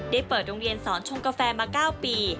เปิดโรงเรียนสอนชงกาแฟมา๙ปี